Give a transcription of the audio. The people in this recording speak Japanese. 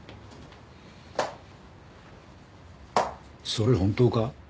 それ本当か？